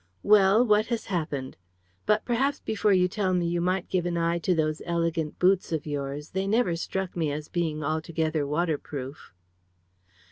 "Well, what has happened? But perhaps before you tell me you might give an eye to those elegant boots of yours. They never struck me as being altogether waterproof."